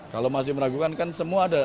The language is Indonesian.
kalau masih meragukan kan semua ada